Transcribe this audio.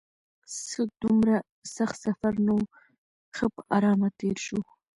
څه دومره سخت سفر نه و، ښه په ارامه تېر شو.